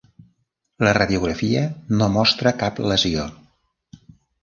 La radiografia no mostra cap lesió.